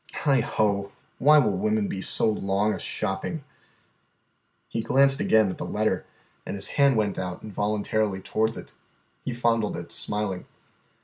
Heigho, why will women be so long a shopping?" He glanced again at the letter, and his hand went out involuntarily towards it. He fondled it, smiling.